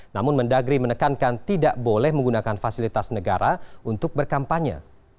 namun mendagri menekankan tidak boleh menggunakan fasilitas negara untuk berkampanye